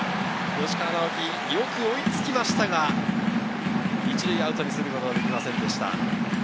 吉川尚輝よく追いつきましたが１塁をアウトにすることはできませんでした。